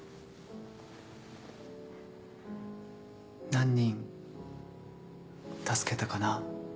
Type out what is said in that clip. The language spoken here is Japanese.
何人助けたかな。